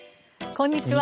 こんにちは。